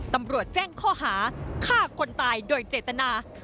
ตำรวจแจ้งข้อหาฆ่าคนตายโดยเจตนา